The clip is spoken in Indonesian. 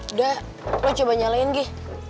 udah lo coba nyalain gi